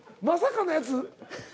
まさかのやつ？